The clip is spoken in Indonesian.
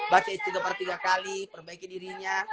baca istigma tiga kali perbaiki dirinya